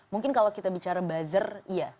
mungkin kalau kita bicara buzzer iya